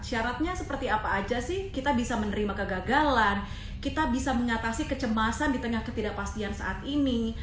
syaratnya seperti apa aja sih kita bisa menerima kegagalan kita bisa mengatasi kecemasan di tengah ketidakpastian saat ini